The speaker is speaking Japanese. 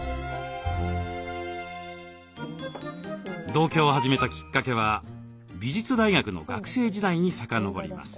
同居を始めたきっかけは美術大学の学生時代に遡ります。